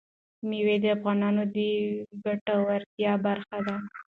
مېوې د افغانانو د ګټورتیا برخه ده.